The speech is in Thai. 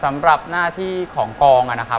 สำหรับหน้าที่ของกอง